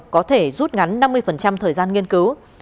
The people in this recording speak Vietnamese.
có thể rút ngắn năm mươi thời gian nghiên cứu